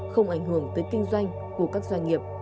không ảnh hưởng tới kinh doanh của các doanh nghiệp